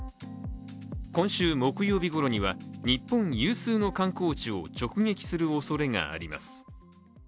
今週木曜日ごろには、日本有数の観光地を直撃するおそれがあります